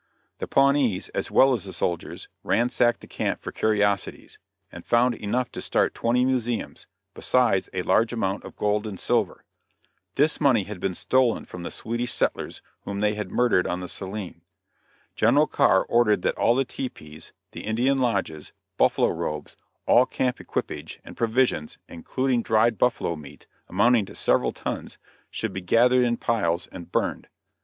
The Pawnees, as well as the soldiers, ransacked the camp for curiosities, and found enough to start twenty museums, besides a large amount of gold and silver. This money had been stolen from the Swedish settlers whom they had murdered on the Saline. General Carr ordered that all the tepees, the Indian lodges, buffalo robes, all camp equipage and provisions, including dried buffalo meat, amounting to several tons, should be gathered in piles and burned.